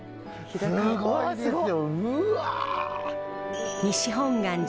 すごいですようわ。